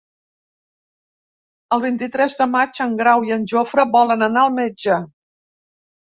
El vint-i-tres de maig en Grau i en Jofre volen anar al metge.